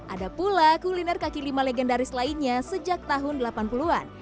ada pula kuliner kaki lima legendaris lainnya sejak tahun delapan puluh an